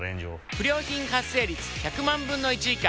不良品発生率１００万分の１以下。